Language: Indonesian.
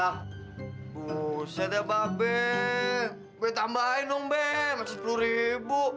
buset ya bapak be gue tambahin dong be masih sepuluh ribu